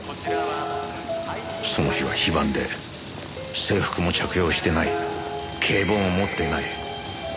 その日は非番で制服も着用してない警棒も持ってない。